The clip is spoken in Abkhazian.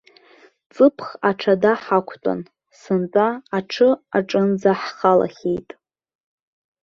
Ҵыԥх аҽада ҳақәтәан, сынтәа аҽы аҿынӡа ҳхалахьеит!